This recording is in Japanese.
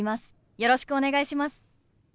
よろしくお願いします。